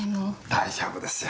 大丈夫ですよ。